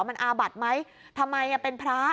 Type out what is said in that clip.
มันอาบัติไหมทำไมเป็นพระ